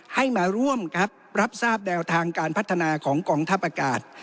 ให้มาร่วมครับรับทราบแนวทางการพัฒนาของกองทัพอากาศ